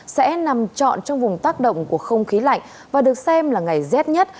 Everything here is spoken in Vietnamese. sẽ nằm trọn trong vùng tác động của không khí lạnh và được xem là ngày rét nhất